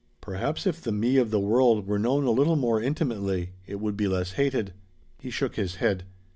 "Perhaps if the Me of the world were known a little more intimately it would be less hated." He shook his head.